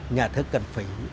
nhà thơ cần phải